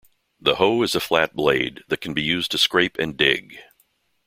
The hoe is a flat blade, that can be used to scrape and dig.